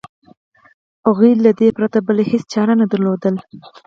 هغوی له دې پرته بله هېڅ چاره نه درلوده.